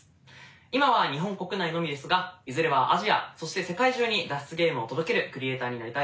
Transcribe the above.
今は日本国内のみですがいずれはアジアそして世界中に脱出ゲームを届けるクリエイターになりたいです。